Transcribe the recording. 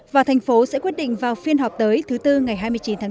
và thành phố sẽ quyết định vào phiên họp tới thứ tư ngày hai mươi chín tháng bốn